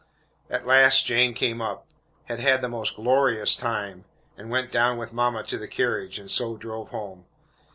At last Jane came up, had had the most glorious time, and went down with mamma to the carriage, and so drove home.